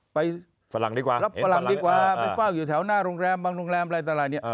ฝรั่งดีกว่ารับฝรั่งดีกว่าไปเฝ้าอยู่แถวหน้าโรงแรมบางโรงแรมอะไรต่างเนี่ย